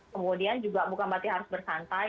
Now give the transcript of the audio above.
kemudian juga bukan berarti harus bersantai